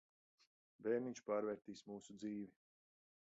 Bērniņš pārvērtīs mūsu dzīvi.